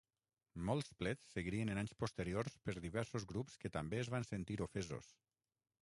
Molts plets seguirien en anys posteriors per diversos grups que també es van sentir ofesos.